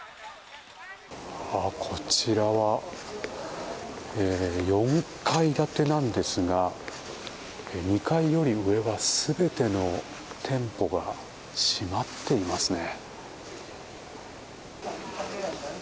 こちらは４階建てなんですが２階より上は全ての店舗が閉まっていますね。